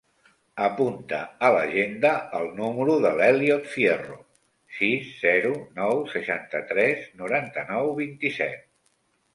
Apunta a l'agenda el número de l'Elliot Fierro: sis, zero, nou, seixanta-tres, noranta-nou, vint-i-set.